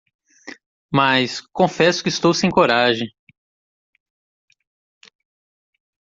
Mas, confesso que estou sem coragem